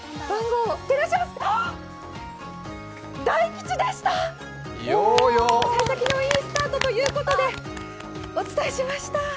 さい先のいいスタートということで、お伝えしました。